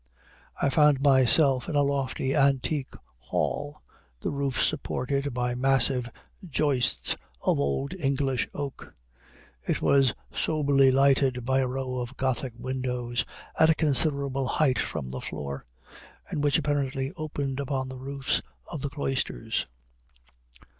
I found myself in a lofty antique hall, the roof supported by massive joists of old English oak. It was soberly lighted by a row of Gothic windows at a considerable height from the floor, and which apparently opened upon the roofs of the cloisters.